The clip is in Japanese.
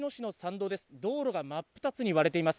道路が真っ二つに割れています。